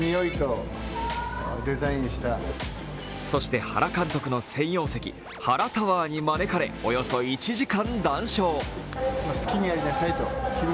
そして原監督の専用席、原タワーに招かれおよそ１時間談笑。